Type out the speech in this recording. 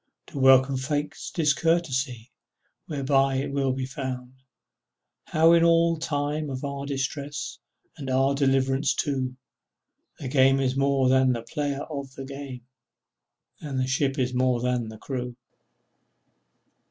Then welcome Fate's discourtesy Whereby it is made clear, How in all time of our distress, And in our triumph too, The game is more than the player of the game, And the ship is more than the crew!